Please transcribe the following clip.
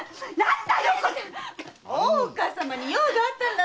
大岡様に用があったんだって！